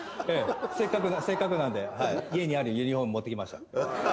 せっかくなんで家にあるユニフォーム持ってきました。